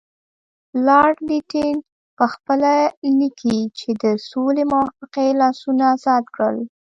لارډ لیټن پخپله لیکي چې د سولې موافقې لاسونه ازاد کړل.